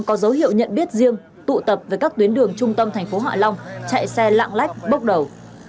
có dấu hiệu nhận biết riêng tụ tập về các tuyến đường trung tâm tp hạ long chạy xe lạng lách bốc đầu